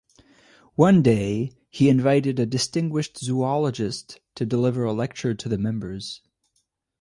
One day he invited a distinguished zoologist to deliver a lecture to the members.